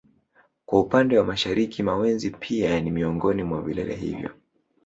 Kwa upande wa mashariki Mawenzi pia ni miongoni mwa vilele hivyo